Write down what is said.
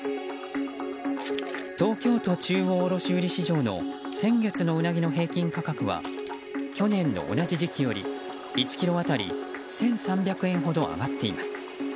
東京都中央卸売市場の先月のウナギの平均価格は去年の同じ時期より１ｋｇ当たり１３００円ほど上がっています。